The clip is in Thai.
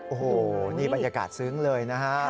โอ้โหนี่บรรยากาศซึ้งเลยนะฮะ